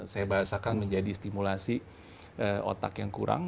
saya bahasakan menjadi stimulasi otak yang kurang